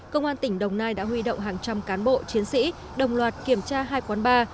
công an tỉnh đồng nai đã huy động hàng trăm cán bộ chiến sĩ đồng loạt kiểm tra hai quán bar